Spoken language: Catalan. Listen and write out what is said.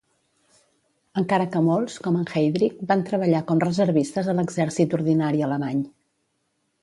Encara que molts, com en Heydric, van treballar com reservistes a l"exèrcit ordinari alemany.